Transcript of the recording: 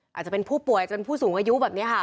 อาจจะเป็นผู้ป่วยจนผู้สูงอายุแบบนี้ค่ะ